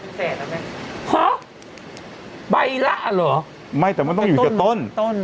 เสร็จแล้วแม่ฮะใบล่ะหรอไม่แต่มันต้องอยู่ในต้นต้น